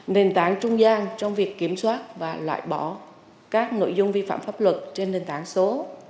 nền tảng trung gian trong việc kiểm soát và loại bỏ các nội dung vi phạm pháp luật trên nền tảng số